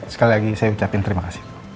sekali lagi saya ucapin terima kasih